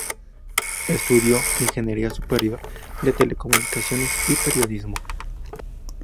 Estudió Ingeniería Superior de Telecomunicaciones y Periodismo.